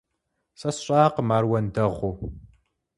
Сэ сщӀакъым ар уэндэгъуу.